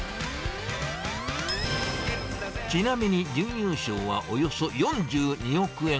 ちなみに準優勝はおよそ４２億円。